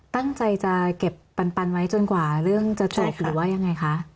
ตั้งใจจะเก็บปันไว้จนกว่าเรื่องจะจบหรือว่ายังไงคะ